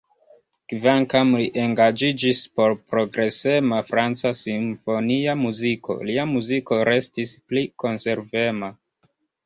Kvankam li engaĝiĝis por progresema franca simfonia muziko, lia muziko restis pli konservema.